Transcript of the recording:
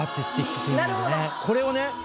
これをね